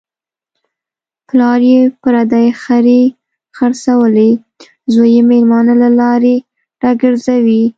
پلار یې پردۍ خرې خرڅولې، زوی یې مېلمانه له لارې را گرځوي.